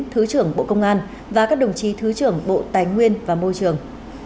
thứ trưởng bộ công an và các đồng chí thứ trưởng bộ tài nguyên và môi trường